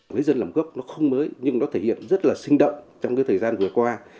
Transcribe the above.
với dân làm gốc nó không mới nhưng nó thể hiện rất là sinh động trong cái thời gian vừa qua